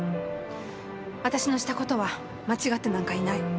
私のした事は間違ってなんかいない。